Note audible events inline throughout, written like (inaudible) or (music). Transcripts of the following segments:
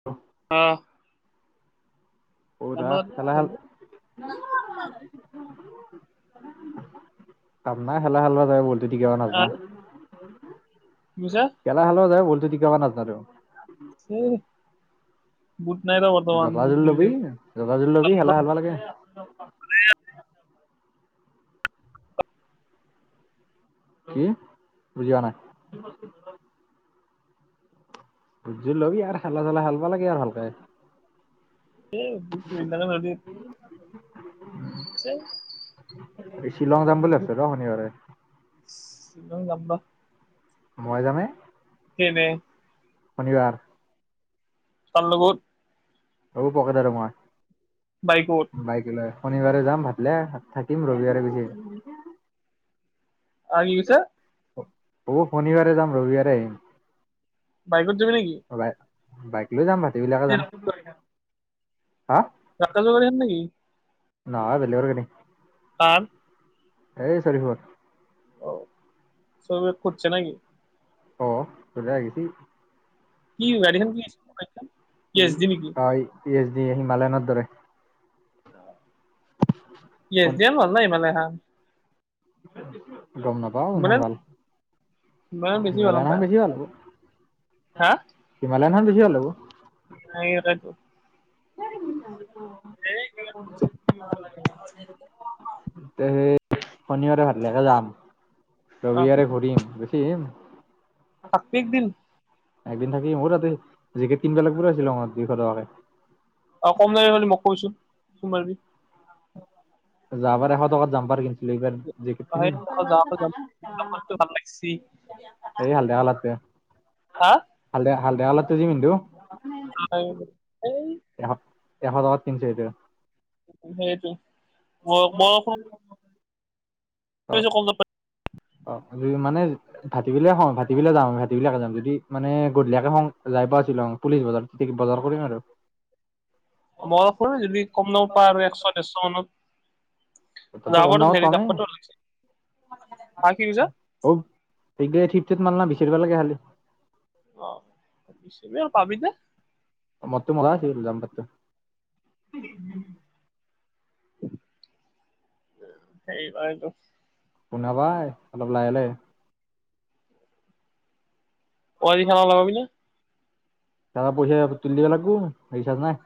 (inaudible) অঁ। অঔ দা আমাৰ কি খেলা খাল কাম নাই খেলা খেলবা যাই (unintelligible) নাজনা, কৈছা খেলা খেলবা যায় বলটো তিকাবো নাজনা দু। সোঁ, গুট নাইট ৰ বদন (unintelligible) ভালবালাগে। কি? বুজি পোৱা নাই। বুজি ল'বি আৰু খেলা চেলা খেলবা লাগে আৰু ভালকে। এ (unintelligible) শ্বিলং যাম বুলি ভাবছো ৰ শনিবাৰে। ছিলং যাম ৰ। মই যামে। কেনে। শনিবাৰ। কাৰ লগত? অপো, পকেট আৰু মই। বাইকত? বাইক লৈ শনিবাৰে যাম ভাটলা থাকিম ৰবিবাৰে গুচি আহিম। আৰু কি কৈছা অ', শনিবাৰে যাম ৰবিবাৰে আহিম। বাইকত যাবি নেকি? বাইক লৈ যাম ভাতিবিলাকে যাম হা? (unintelligible) নেকি? নহয় বেলেগৰ গাড়ী, কাৰ এই চৰিফৰ। অ', (unintelligible) নেকি? অ', সুধা গেছি। কি গাড়ীখন কি পি এছ ডি নেকি অ', পি এচ ডি হিমালয়নৰ দৰে। পি এছ জি ভাল না হিমালয়ানখান? গম না পাও ইমান হিমালয়ান ভালকে, হিমালয়ান বেছি ভাল হিমালয়ানখান বেছি ভাল হব। হা হিমালয়নখন বেছি হব। (inaudible) অ', অ'। থাকবি (inaudible) (inaudible) সেই শনিবাৰে ভাতলাকে যাম, ৰবিবাৰে ঘূৰিম গুচি আহিম। থাকবি এক দিন? একদিন থাকিম, অ তাতে জেকেট কিনিব লাগবোৰ চিলঙত দুইশ টকাকে। অ', কম দামী পালি মোক কবিচোন ফোন মাৰিবি। যাবাৰ এশ টকাত জাম্পাৰ কিনছিলো এইবাৰ জেকেট কিনিম। ভাল লাগছি। এই হালদিয়া কালাৰটোৱে। হা হালদিয়া হালদিয়া অলপটো যি পিন্ধু। এই এশ এশ টকাত কিনছে অতিয়া সেইটো ব বয়সো। অ কম দাম অ', মানে ভাতি বেলিলে হ ভাতিবেলিলে যাম ভাতি বিলিয়াকে যাম যদি মানে গধুলিয়াকে হং যাই পোৱা আছিলুং পুলিচ বজাৰ তেতি বজাৰ কৰিম আৰু। মই কলো যদি কম দাম পায় ব্যস্ত মানু্হ তাতে কম যাবাতো দামত হেৰি পামেই যাবটো উলাইছে, হা কি কৈছ? অ' (unintelligible) অ' এ আৱ পাবি নে? মদটো মজা আছিলে এক্সাম পাতিলে এইবাৰতো কোনাবাই অলপ লাহে লগে অৱাৰি খালা লগাবি নে? কাবা পইচা তুলি দিব লাগব ৰিচাৰ্জ নাই।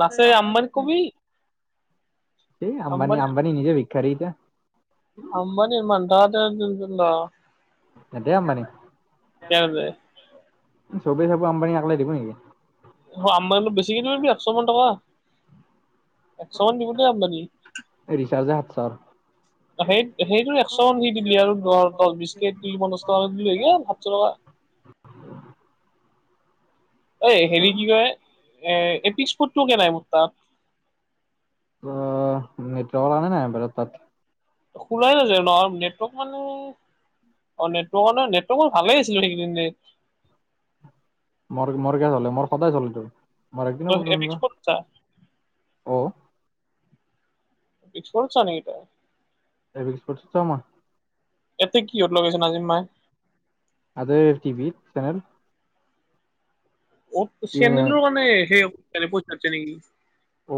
নাচে আম্বানীক কবি। এই আম্বানী আম্বানী নিজে বিখাৰী গীতা আম্বানী ইমান তহঁতে যোনটো ল এতিয়া আম্বানী কেনে যায় চবেই চব আম্বানী আকলোই দিব নেকি। আমবানিলে বেছিকে নামাইবি একশ মান টকা একশ মান দিবি দেই আমদানি। ৰিচাৰ্জে সাতশ টকা সেই সেইটো একশ মান দি দিবি আৰু দ দশ, বিশকে কি শ টকা অই হেৰি কি কয় এ এপিকফুটটো কেনে আমা তাত। অ', নেত্ৰাৱল আনে নাই ভাৰত তাত। খোলাই নাযায় নহ নেটৱৰ্ক মানে অ' নেটৱৰ্কৰ মানে নেটৱৰ্ক ভালেই আছিলে সেইকেইদন দেই মৰ মোৰ কিয় চলে মোৰ সদায় চলেতো মোৰ একদিনো প্ৰব্লেম আপিক্স নহয় ফুটতা অ' এচপঞ্চা নেকি তই (unintelligible) এতি কিহত লগাইছে নাজিম মাই। আৰে টিভিত চেনেল। অ চেনেলৰ মানে সেই তেনেকৈ থাকে নেকি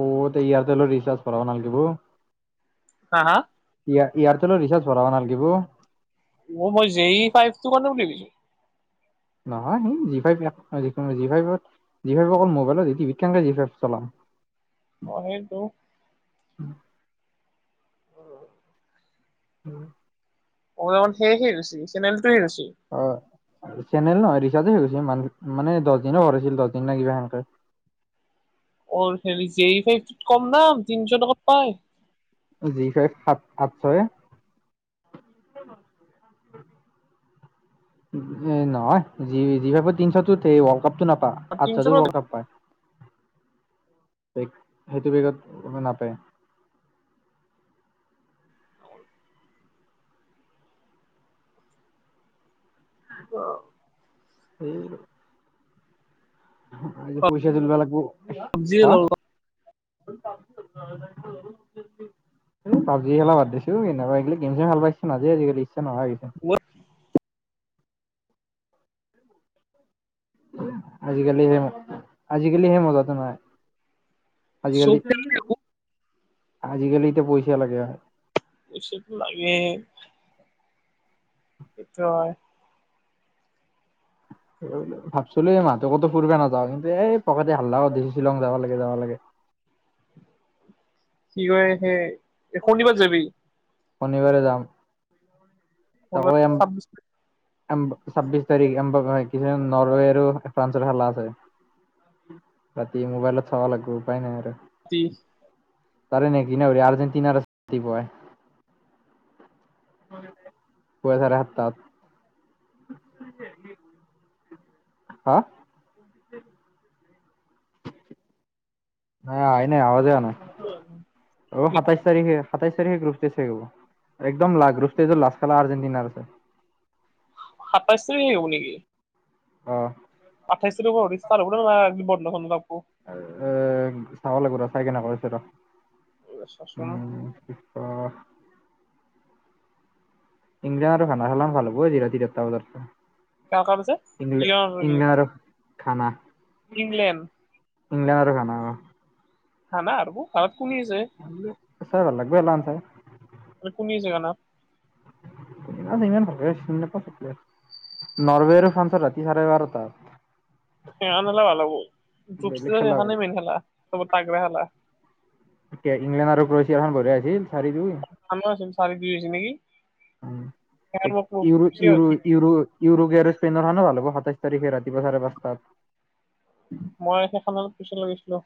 অ তই ইয়াৰটেলৰ ৰিচাৰ্জ ভৰাব নালগিব। হা হা ইয়াৰ এয়াৰটেলৰ ৰিচাৰ্জ ভৰাব নালগিব অ মই যে ই ফাইভটো মানেও দেখিছোঁ (unintelligible) অ সেইটো (unintelligible) কবলে গলে সেয়হে ৰুচি চেনেলটোৱে ৰুচি অ চেনেল ন ৰিচাৰ্জে হৈ গৈছে মান মানে দহ দিনৰ ভৰাইছিল দহ দিন না কিবা সেনকে অ হেৰি জে ই ফাইভটোত কম দাম তিনশ টকাত পাই জি ফাইভ সাত, আঠশৰে এ নহয় জি ফাইভত তিনিশটোত সে ৱৰ্ল্ড কাপটো নাপায়, তিনশ আঠশতোত টকাত ৱৰ্ল্ড কাপ পায়। পেগ সেইটো পেগত কোনো নাপায়। (unintelligible) অ' সেই। আজি পইচা তুলিবা লাগিব। চব্জিয়ে হাঁ? লওঁ সেই পাব্জি খেলা বাদ দিছো কেনেকুৱা এইগিলা গেম চেম ভাল নাপাইছো, আজিকালি ইচ্ছা নহা হৈছে। ৱাট? আজিকালি সে আজিকালি সে মজাটো নাই। আজিকালি চব আজিকালি এতিয়া পইচা লাগে হয়। পইচাটো লাগে। সেইটো হয়। এই ব ভাবিছিলো এই মাহতো কতো ফুৰবা নাযাওঁ, কিন্তু এই পকেতি হাল্লা কৰি দিছে শ্বিলং যাব লাগে যাব লাগে। কি কৰে সেই- শনিবাৰ যাবি শনিবাৰে যাম। ওনৈশ ছাব্বিছ- এম্ব ছাব্বিছ তাৰিখ এন্ব (unintelligible) আৰু। ফ্ৰান্সৰ খেলা আছে। ৰাতি মোবাইলত চাব লাগিব উপায় নাই আৰু। তি। তাৰে নে কিনে অওৰে আৰ্জেটিনাৰ জিকিবই। পৈছা দেহ তাত। (unintelligible) হাঁ? না আহাই নাই আৱাজে আহা নাই, অও সাতাইশ তাৰিখে। সাতাইছ তাৰিখে গ্ৰুপ টেষ্ট শেষ হব, একদম লা গ্ৰুপ ষ্টেজৰ লাষ্ট খেলা আৰ্জেণ্টিনাৰ আছে। সাতাইশ তাৰিখে হব নেকি? অ আঠাইশ তাৰিখো (unintelligible) বন্ধ চন্ধ থাকব। এ চাব লাগিব ৰ, চাই কিনা কৈ আছো ৰ। চাচোন। অঁ' ইংলেণ্ড আৰু (unintelligible) ভাল হব আজি ৰাতি দহতা বজাত। কাৰ কাৰ আছে ইংলেণ্ড ইংলেণ্ড আৰু খানা। ইংলেণ্ড অ ঘানা আৰু। আগত কোনে আছে, চাই ভাল লাগব এইগিলাখান চাই কোনে আছে ঘানাত? ইমান ভালকে চিনি নাপাওঁ ভালকে, নৰৱে আৰু ফ্ৰান্সৰ ৰাতি চাৰে বাৰটাত। সেইখন খেলা ভাল হ'ব গ্ৰুপ বেলেগ ষ্টেজৰ খেলা হ'ব সেইখনে মেইন খেলা চব তাগৰা খেলা। এতিয়া ইংলেণ্ড আৰু ক্ৰৱেছিয়াৰ খন বৰিয়া হৈছিল চাৰিদিন। সানেও আছিল চাৰি দিন হৈছে নেকি? ইউৰো ইউৰো (unintelligible) ইউৰো ইউৰোপী আৰু স্পেইনৰ খনো ভাল হ'ব সাতাইছ তাৰিখে ৰাতিপুৱা চাৰে পাঁচটাত। মই সেইখনৰ পিচলে গৈছিলো।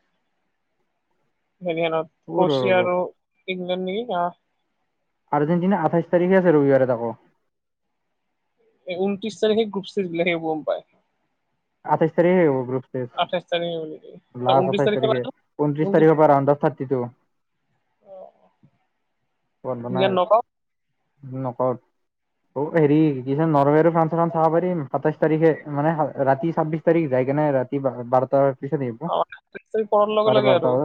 হেৰীখানত অ' ৰ কোচি ৰ আৰু ইংলেণ্ড নেকি অঁ। আৰ্জেণ্টিনা আঠাইছ তাৰিখে আছে ৰবিবাৰে তাকো। এই ঊনত্ৰিছ তাৰখে গ্ৰুপচোপ বিলাকে গম পায়। আঠাইছ তাৰিখেহে হব ব্ৰু। আঠাইছ তাৰিখে নেকি লাষ্ট ঊনত্ৰিছ আঠাইশ তাৰিখে ঊনত্ৰিশ তাৰিখৰ পৰা ৰাউণ্ অফ থাৰ্টি টো। অ বন্ধ নাই নকৰত অ হেৰি কি (unintelligible) নৰৱেৰিৰ ফানচন খন চাব পাৰিম সাতাইশ তাৰিখে মানে ৰাতি ছাব্বিশ তাৰিখ যায় কিনে ৰাতি বাৰটাৰ পিছত আহিব অ আঠাইছ তাৰিখ পৰাৰ লগে চাৰে লগে বাৰটা আৰু বজাত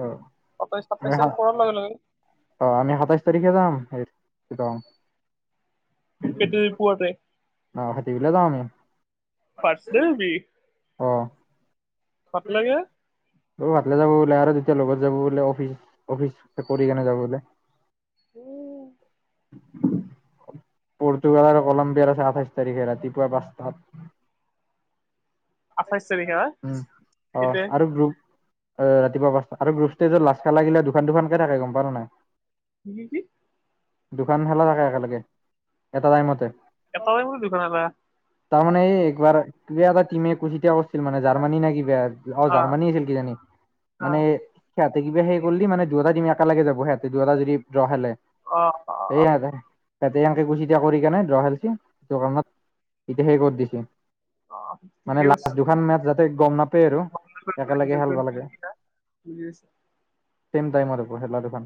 অ', সাতাইছ আমি সাতাইছ তাৰিখ পৰৰ লগে লগে অ আমি সাতাইছ তাৰিখে যাম এই সেইটো পুৱাতে অ সেইটোলে যাওঁ আমি ফাৰ্ষ্ট টাইম বি অ পাতলাকে অ ভতলে যাব বোলে আৰু তেতিয়া লগত যাব বোলে অফিচ অফিচ চাকৰি কেনে যাব বোলে। উম পৰ্তুগালৰ কলম্বিয়াৰ আছে আঠাইছ তাৰিখে ৰাতিপুৱা পাঁচটাত আঠাইছ তাৰিখে হয় উম অ কেতিয়া আৰু অ ৰাতিপুৱা পাঁচটাত আৰু গ্ৰুপষ্টেজত লাষ্ট খেলা গিলা দুখন দুখনকে থাকে গম পাওঁ না নাই কি কি দুখন খেলা থাকে একেলগে এটা টাইমতে (unintelligible) তাৰমানে এই একবাৰ কিবা এটা টিমে এতিয়া কৈছিল মানে জাৰ্মানী নে কিবা অ জাৰ্মানী আছিল কিজানি মানে সিহঁতে কিবা সেই কৰিল মানে দুয়োটা তিম একেলগে যাব সিহতে দুয়োটা যদি যুৱা খেলে। অ এই সেতে, সেতে এনকে (unintelligible) কৰি কেনে ড্ৰ খেলছি (unintelligible) এতিয়া সেই কত দিছে অ মানে ঠিকে লা দুখন মেচ যাতে গম নাপায় আৰু একেলগে কৈছে বুজি খেলিব লাগে পাইছা (unintelligible) চেম টাইমৰ হ'ব খেলা দুখন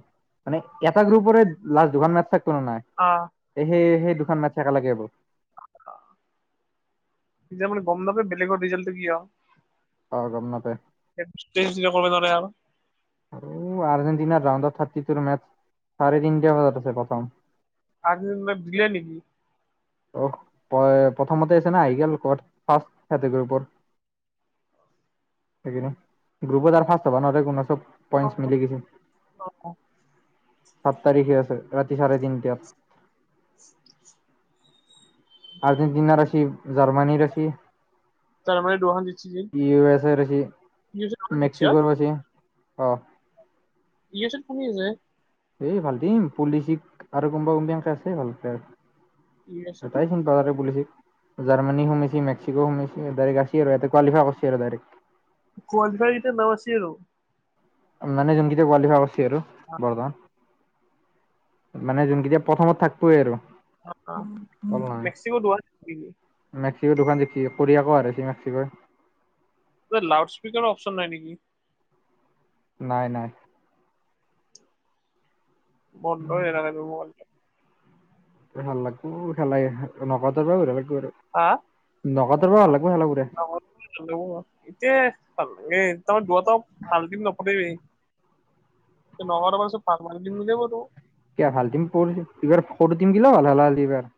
মানে এটা গ্ৰুপৰে লাষ্ট দুখন মেচ থাকিব না নাই অ এ সেই সেই দুখন মেচ একেলগে হ'ব এতিয়া আপুনি গম নাপায় বেলেগৰ ৰিজাল্টটো কিয়? অ গম নাপায় (unintelligible) কৰিব নোৱাৰে আও উম আৰ্জেণ্টিনাৰ ৰাউণ্ডত থাৰ্টি টু মেচ চাৰে তিনিটা বজাত আছে প্ৰথম আৰ্জেণ্টিনাক দিলা নেকি অ প্ৰথমতে আছে না আহি গল কত ফাৰ্ষ্ট কেতগুৰি ওপৰত সেইকাৰণে গ্ৰুপত আৰ ফাৰ্ষ্ট হ'ব নৰে কোনো চব পইন্ট মিলি গৈছি অ অহ সাত তাৰিখে আছে ৰাতি চাৰে তিনিটাত আৰ্জেণ্টিনাৰ আছি জাৰ্মানীৰ আছি জাৰ্মানী দুখন জিতছি ইউ ই ইও ৰেছৰ আহি এছ এ দুখন জিতছি হা মেক্সিকোৰ মেচি অ ইও এচত কোনে আছে? এই ভাল টিম, পোলিচিক আৰু কোনোবা কোনবি এনেকে আছে ভাল ইউ এছ প্লেয়াৰ এত এটাই চোন (unintelligible) জাৰ্মানী সোমেছি মেক্সিকো সোমেইছি, ডাইৰেক্ট ৰাছি আৰু ইয়াতে কোৱালিফাই কৰছি আৰু ডাইৰেক্ট কোৱালিফাইত এতিয়া নাম আছে আৰু মানে যোনকেইটা কোৱালিফাই আগত সেইটো কৰবা মানে যোনকেইটা প্ৰথমত থাকবয়ে আৰু! অ', অ'! তল নাই মেক্সিকো দুবাৰ থাকিবই মেক্সিকো দোকান জিকছি, কোৰিয়াকো হাৰাইছি ৰাখিবই লাউড স্পিকাৰৰ অপচন নাই নেকি? নাই, নাই! (unintelligible) ভাল লাগব খেলা এইখান, নগত আউটৰ পৰা বঢ়িয়া লাগব আৰু! হা নগত আউটৰ পৰা ভাল লাগব খেলাবোৰে! ইতে (unintelligible) (unintelligible) এয়া ভাল টিম ফ'ৰ এইবাৰ সৰু টিম গিলাও এইবাৰ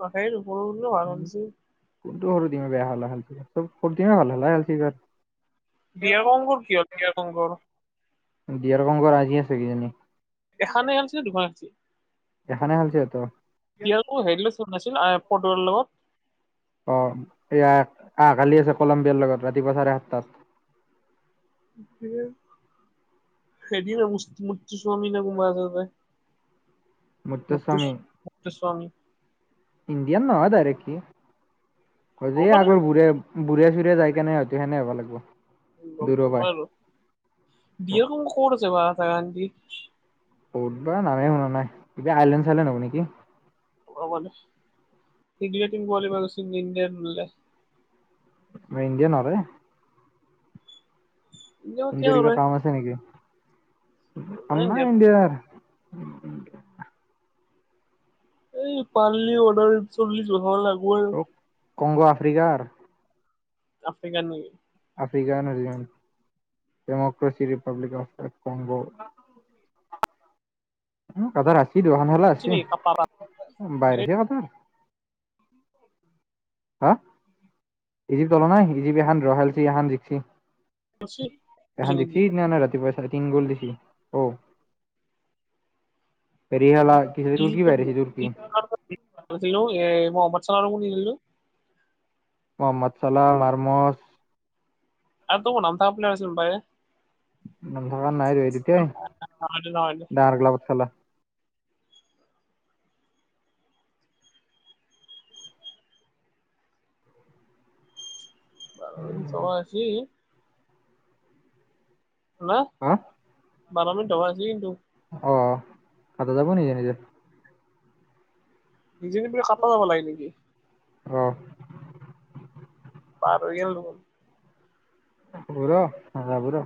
অ সেইটো ফৰন ন আ উম, আৰন চি কোনটো সৰু টিমে বেয়া খেলা (inaudible) (inaudible) বিয়াৰ কংগৰ কি হ'ল বিয়াৰ কংগৰ বিয়েৰ কংকৰ আছি আছে কিজানি! এখানে আনছি না দুখ আনছি? এখানে আনছি আত! কি হ'ল তোৰ পৰ্তুগালৰ লগত! অঁ, এ আহ অহাকালি আছে কলম্বিয়াৰ লগত ৰাতিপুৱা চাৰে সাতটাত! হেল্ল' (unintelligible) মুত্তুচ মুত্তুস্বামী মুক্তস্বামী ইণ্ডিয়ান নহয় ডাইৰেক্টলী, কি হ'ব দে আগৰ বোৰে বুৰে চুৰে যায় কেনে হয়তো সেনে হ'ব লাগব! গম নপোৱা হ'লোঁ! বিয়াখন ক'ত আছে বা জাৰা আনটি ক'ত বা নামে শুনা নাই, কিবা আইলেণ্ড চাইলেন হ'ব নেকি! (inaudible) ইংলেণ্ডো কোৱালিফাই হৈছি (inaudible) আমা ইণ্ডিয়া নৰে! ইণ্ডিয়া কিয় ইণ্ডিয়াৰ কিবা কৰে কাম আছে নেকি? নাযায় কাম নাই ইণ্ডিয়াত ইণ্ডিয়াৰ! এই পাৰলিও মুটামুটি চল্লিশ বছৰমান লাগ অ', কংগ আফ্ৰিকাৰ আফ্ৰিকান নেকি? African original, democracy Republic of Congo! উম, কাটাৰ হাৰছি, দুখন খেলা চিনি হাৰছি! কাপাবা বাহিৰ হৈছি কাটাৰ! হা? ইজিপ্ট হলা নাই, ইজিপ্ট এখান ড্ৰ খেলছি এখন জিকছি! এখান জিকছি! না, না ৰাতিপুৱাই চৱা! তিন গোল দিছি! অ' হেৰি ইজিপ্তত এ হলা (inaudible) (inaudible) মহম্মদ চালাহ (inaudible) মহম্মদ চালাহ মাৰমজ (unintelligible) নম ধৰা নাই আৰু নহয় (inaudible) চবা আছি শুনা হা (unintelligible) অহ কাতা যাব নেকি নিজে। নিজে নি বোলে কাতা যাবা লাগে নেকি অহ পাৰ হৈ গেল দেখুন ৰ নাজাবি ৰ